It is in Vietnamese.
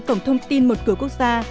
cổng thông tin một cửa quốc gia